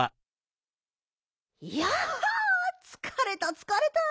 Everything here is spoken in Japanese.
いやつかれたつかれた。